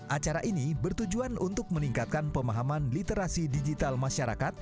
acara ini bertujuan untuk meningkatkan pemahaman literasi digital masyarakat